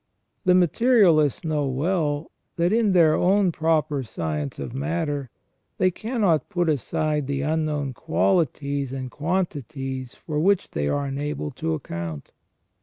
The materialists know well, that in their own proper science of matter, they cannot put aside the unknown qualities and quantities for which they are unable to account.